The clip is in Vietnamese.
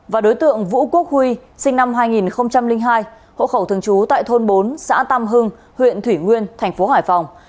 và đối tượng vũ quốc huy sinh năm hai nghìn hai hộ khẩu thường trú tại thôn bốn xã tăm hưng huyện thủy nguyên tp hải phòng